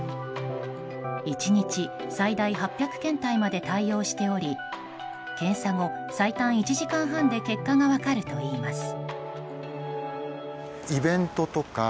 １日最大８００検体まで対応しており検査後、最短１時間半で結果が分かるといいます。